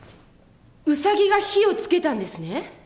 ウサギが火をつけたんですね？